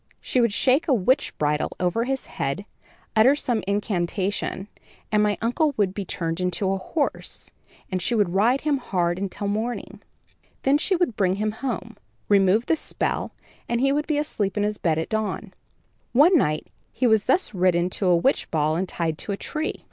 She would shake a witch bridle over his head, utter some incantation and my uncle would be turned into a horse, and she would ride him hard until morning. Then she would bring him home, remove the spell, and he would be asleep in bed at dawn. One night he was thus ridden to a witch ball and tied to a tree.